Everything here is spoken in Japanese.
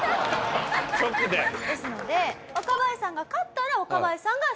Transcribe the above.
ですので若林さんが勝ったら若林さんが先輩。